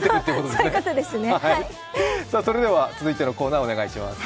続いてのコーナー、お願いします。